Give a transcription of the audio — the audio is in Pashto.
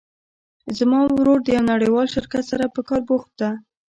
زما ورور د یو نړیوال شرکت سره په کار بوخت ده